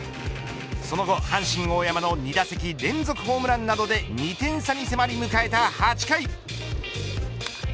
その後、阪神大山の２打席連続ホームランなどで２点差に迫り、迎えた８回。